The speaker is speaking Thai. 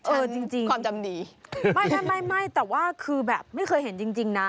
จริงความจำดีไม่ไม่แต่ว่าคือแบบไม่เคยเห็นจริงนะ